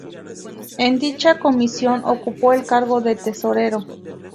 En dicha comisión ocupó el cargo de tesorero.